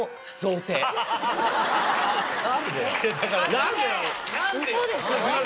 何で？